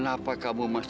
tau atau nggak